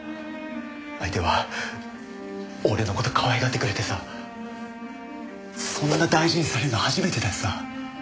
相手は俺の事可愛がってくれてさそんな大事にされるの初めてだしさ。